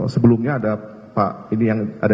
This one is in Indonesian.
sebelumnya ada pak ini yang ada